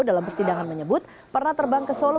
dalam persidangan menyebut pernah terbang ke solo